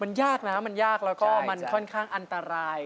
มันยากนะมันยากแล้วก็มันค่อนข้างอันตราย